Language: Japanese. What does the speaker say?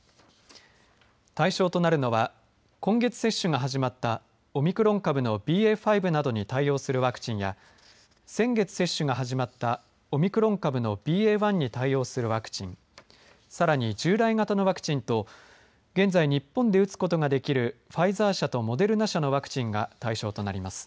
対象となるのは今月接種が始まったオミクロン株のＢＡ．５などに対応するワクチンや先月接種が始まったオミクロン株のＢＡ．１に対応するワクチンさらに従来型のワクチンと現在、日本で打つことができるファイザー社とモデルナ社のワクチンが対象となります。